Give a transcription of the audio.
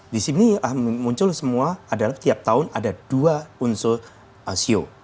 di sini muncul semua adalah tiap tahun ada dua unsur sio